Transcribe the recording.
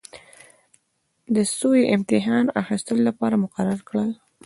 د سویې د امتحان اخیستلو لپاره مقرر کړل.